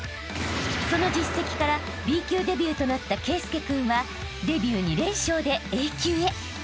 ［その実績からＢ級デビューとなった圭佑君はデビュー２連勝でＡ級へ］